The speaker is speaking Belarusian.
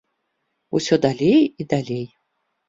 Усё далей і далей.